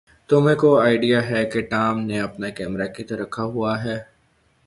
تمھیں کوئی آئڈیا ہے کہ ٹام نے اپنا کیمرہ کدھر دکھا ہوا ہے؟